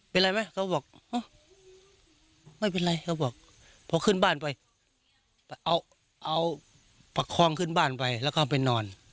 เป็นอะไรไหมเขาบอกไม่เป็นไรเขาบอกพอขึ้นบ้านไปเอาเอาประคองขึ้นบ้านไปแล้วก็ไปนอน